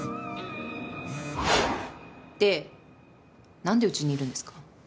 で何でうちにいるんですか？